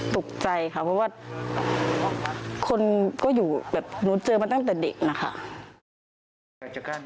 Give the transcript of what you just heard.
ตกใจค่ะเพราะว่าคนก็อยู่แบบหนูเจอมาตั้งแต่เด็กนะคะ